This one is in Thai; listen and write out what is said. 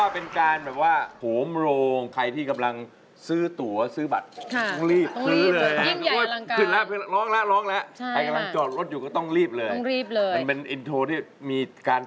โปรดติดตามตอนต่อไป